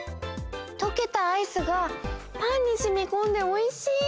とけたアイスがパンにしみこんでおいしい！